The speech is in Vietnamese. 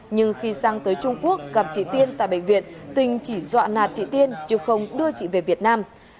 nhưng khi sang tới trung quốc gặp chị tiên tại bệnh viện tình chỉ dọa nạt chị tiên chứ không đưa chị về việt nam